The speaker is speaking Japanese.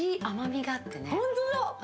甘みがあってね。